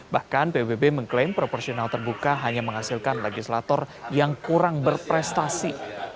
bahkan pbb mengklaim proporsional terbuka hanya menghasilkan legislator yang kurang berprestasi